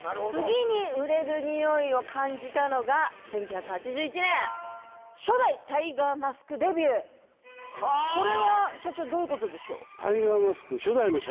次に売れるにおいを感じたのが１９８１年初代タイガーマスクデビューはあこれは社長どういうことでしょう